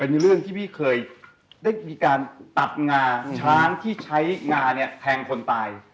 เรื่องที่พี่เคยได้มีการตัดงาช้างที่ใช้งาเนี่ยแทงคนตาย